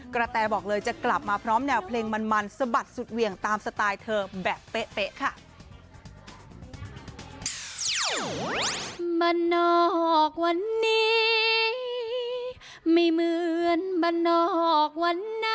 กระแตบอกเลยจะกลับมาพร้อมแนวเพลงมันสะบัดสุดเหวี่ยงตามสไตล์เธอแบบเป๊ะค่ะ